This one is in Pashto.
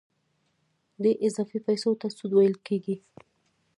دې اضافي پیسو ته سود ویل کېږي